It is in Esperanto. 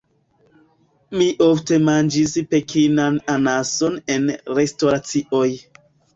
Mi ofte manĝis Pekinan Anason en restoracioj.